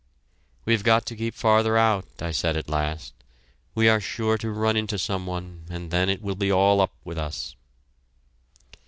"We've got to keep farther out," I said at last. "We are sure to run into some one and then it will be all up with us!"